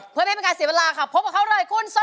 เพื่อไม่เป็นการเสียเวลาค่ะพบกับเขาเลยคุณสรพงษ์ชุดไฟ